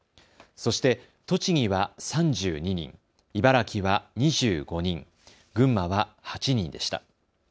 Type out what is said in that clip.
そして栃木は３２人、茨城は２５人、群馬は８人でした。